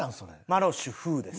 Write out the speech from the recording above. マロッシュ風です。